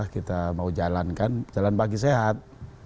kita mau jalan kan jalan pagi sehat